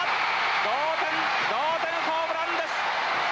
同点同点ホームランです。